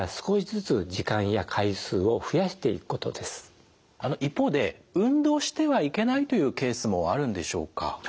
一番大事なのは一方で運動してはいけないというケースもあるんでしょうか？